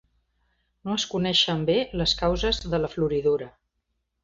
No es coneixen bé les causes de la floridura.